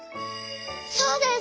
そうです！